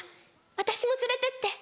私も連れてって」。